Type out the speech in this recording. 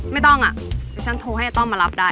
ไม่ต้องอ่ะดิฉันโทรให้อาต้อมมารับได้